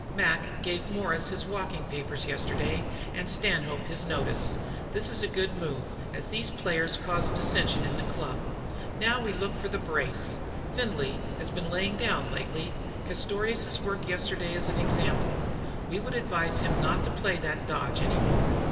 "Mac gave Morris his walking papers yesterday and Stanhope his notice. This is a good move, as these players caused dissension in the club. Now we can look for the brace. Findlay has been laying down lately. Castorious's work yesterday is an example. We would advise him not to play that dodge any more.